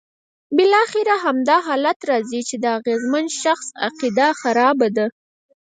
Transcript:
بالاخره همدا حالت راځي چې د اغېزمن شخص عقیده خرابه ده.